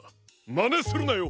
まねするなよ！